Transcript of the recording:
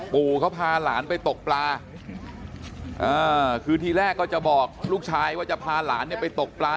ปู่เขาพาหลานไปตกปลาคือทีแรกก็จะบอกลูกชายว่าจะพาหลานเนี่ยไปตกปลา